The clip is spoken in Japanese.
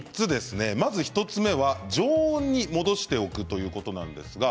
まず１つ目は常温に戻しておくということです。